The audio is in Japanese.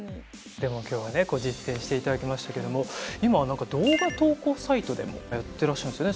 でも今日はねこう実践していただきましたけども今は何か動画投稿サイトでもやってらっしゃるんですよね。